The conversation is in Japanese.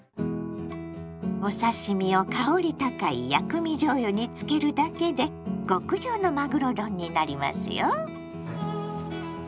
お刺身を香り高い「薬味じょうゆ」につけるだけで極上のまぐろ丼になりますよ。